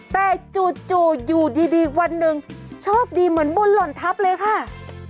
แต่จู่อยู่ดีวันหนึ่งโชคดีเหมือนบุญหล่นทัพเลยค่ะ